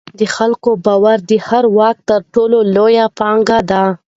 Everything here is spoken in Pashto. د خلکو باور د هر واک تر ټولو لویه پانګه ده